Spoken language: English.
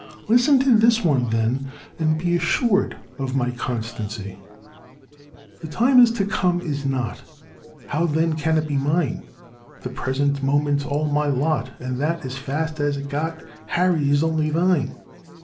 Listen to this one then, and be assured of my constancy." 282 714^ Crime. The time that is to come, is not ; How then can it be mine ? The present moment 's all my lot. And that, as fast as it is got, Harry, is only thine